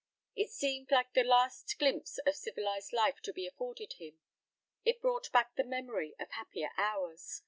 It seemed like the last glimpse of civilised life to be afforded him. It brought back the memory of happier hours.